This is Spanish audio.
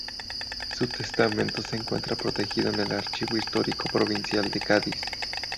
Su testamento se encuentra protegido en el Archivo Histórico Provincial de Cádiz.